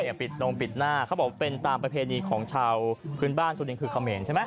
นี่ปิดตรงปิดหน้าครับอะครับตามประเพณีของชาวขึ้นบ้านสุดยังคือเข่าแหม่นใช่ไหม